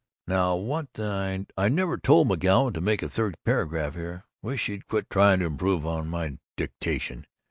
Now what the I never told McGoun to make a third paragraph there! Wish she'd quit trying to improve on my dictation!